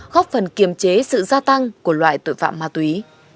góp phần kiềm chế sự gia tăng của loại tội phạm ma túy